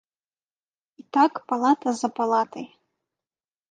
І так палата за палатай.